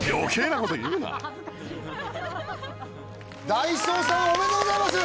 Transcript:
ダイソーさんおめでとうございます！